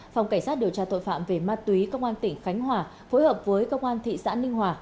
phòng cảnh sát điều tra tội phạm về ma túy công an tỉnh khánh hòa phối hợp với công an thị xã ninh hòa